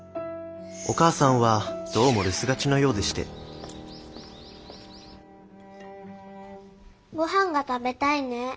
お母さんはどうも留守がちのようでしてごはんが食べたいね。